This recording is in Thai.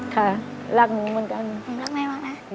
ผมรักแม่มากนะ